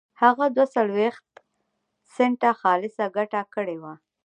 هغه دوه څلوېښت سنټه خالصه ګټه کړې وه.